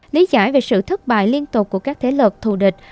lý giải về sự thất bại liên tục của các thế lực thù địch